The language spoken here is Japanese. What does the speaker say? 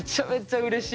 うれしい。